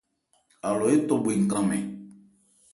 Alɔ étɔ bhwe nkranmɛn.